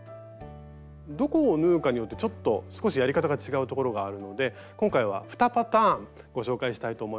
どこを縫うかによってちょっと少しやり方が違うところがあるので今回は２パターンご紹介したいと思います。